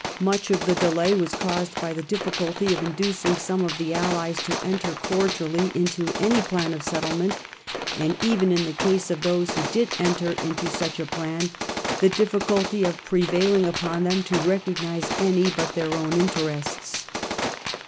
Much of the delay was caused by the diflSculty of inducing some of the Allies to enter cordially into any plan of settlement, and even in the case of those who did enter into such a plan the difficulty of prevailing upon them to recognise any but their own interests.